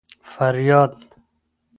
فریاد